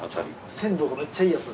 鮮度がめっちゃいいやつ。